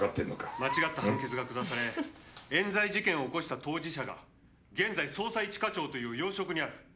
「間違った判決が下され冤罪事件を起こした当事者が現在捜査一課長という要職にある」